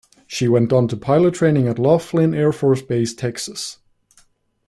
She went on to pilot training at Laughlin Air Force Base, Texas.